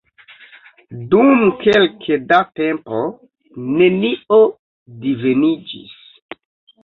Dum kelke da tempo nenio diveniĝis.